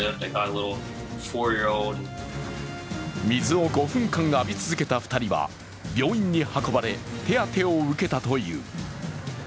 水を５分間浴び続けた２人は病院に運ばれ手当てを受けたという。